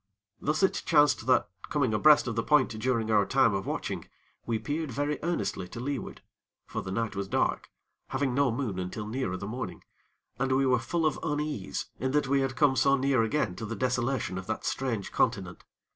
Thus it chanced that, coming abreast of the point during our time of watching, we peered very earnestly to leeward; for the night was dark, having no moon until nearer the morning; and we were full of unease in that we had come so near again to the desolation of that strange continent.